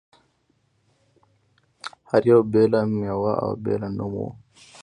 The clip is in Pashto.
هر یوې بېله مېوه او بېل یې نوم و.